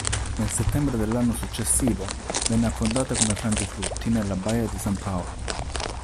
Nel settembre dell'anno successivo venne affondata come frangiflutti nella Baia di San Paolo.